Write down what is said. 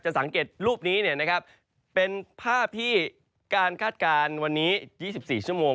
สังเกตรูปนี้เป็นภาพที่การคาดการณ์วันนี้๒๔ชั่วโมง